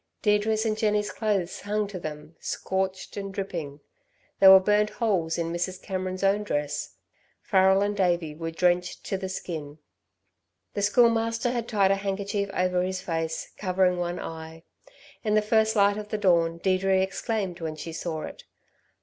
Deirdre's and Jenny's clothes hung to them, scorched and dripping; there were burnt holes in Mrs. Cameron's own dress. Farrel and Davey were drenched to the skin. The Schoolmaster had tied a handkerchief over his face, covering one eye. In the first light of the dawn Deirdre exclaimed when she saw it.